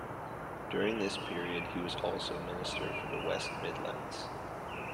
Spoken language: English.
During this period he was also Minister for the West Midlands.